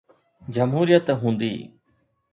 جمهوريت هوندي.